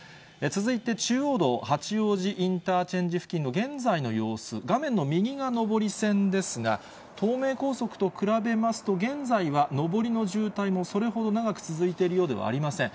続いて中央道八王子インターチェンジ付近の現在の様子、画面の右が上り線ですが、東名高速と比べますと、現在は上りの渋滞もそれほど長く続いているようではありません。